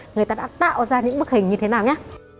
người ta đã tạo ra những bức hình như thế nào nhé